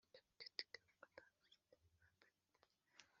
Impundaza ayihaza umutuku mwiza